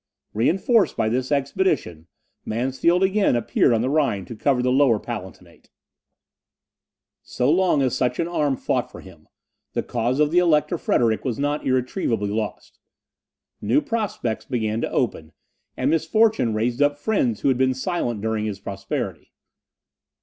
Reinforced by this expedition, Mansfeld again appeared on the Rhine to cover the Lower Palatinate. So long as such an arm fought for him, the cause of the Elector Frederick was not irretrievably lost. New prospects began to open, and misfortune raised up friends who had been silent during his prosperity.